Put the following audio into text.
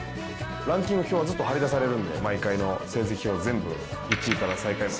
ランキング表はずっと貼り出されるんで毎回の成績表全部１位から最下位まで。